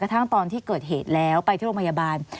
กระทั่งตอนที่เกิดเหตุไปที่โรงพยาบาล